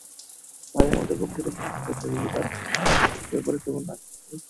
তাই আমাদের পক্ষ থেকে ক্যাম্পাসে মিনিবাস প্রবেশ করানোর ব্যাপারে তেমন আগ্রহ নেই।